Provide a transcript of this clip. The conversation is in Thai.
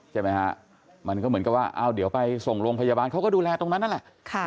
ใช่ไหมฮะมันก็เหมือนกับว่าเอาเดี๋ยวไปส่งโรงพยาบาลเขาก็ดูแลตรงนั้นนั่นแหละ